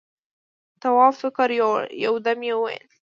تواب فکر يووړ، يو دم يې وويل: